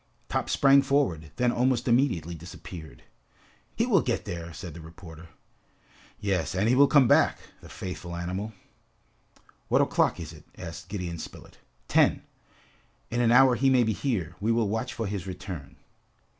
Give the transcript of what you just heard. Top sprang forwards, then almost immediately disappeared. "He will get there!" said the reporter. "Yes, and he will come back, the faithful animal!" "What o'clock is it?" asked Gideon Spilett. "Ten." "In an hour he may be here. We will watch for his return."